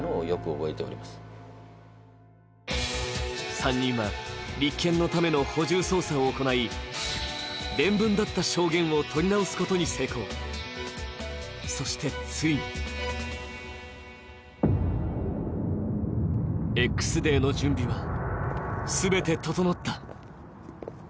３人は、立件のための補充捜査を行い伝聞だった証言を取り直すことに成功、そしてついにＸデーの準備は全て整った。